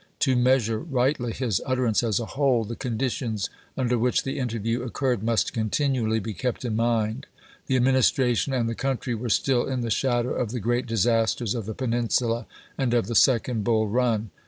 To measure rightly his utterance as a whole, the conditions under which the interview occurred must continually be kept in mind. The Administration and the country EMANCIPATION ANNOUNCED 157 were still in the shadow of the great disasters of chap.viii. the Peninsula and of the second Bull Eun.